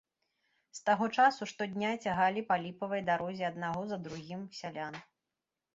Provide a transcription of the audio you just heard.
З таго часу штодня цягалі па ліпавай дарозе аднаго за другім сялян.